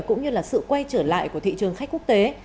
của thị trường khách quốc tế